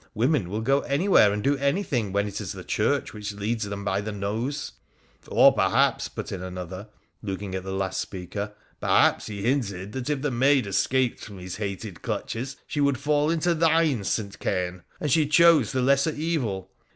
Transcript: Women will go anywhere and do anything when it is the Church which leads them by the nose.' ' Or perhaps,' put in another, looking at the last speaker —' perhaps he hinted that if the maid escaped from his hated clutches she would fall into thine, St. Caen, and she chose the lesser evil.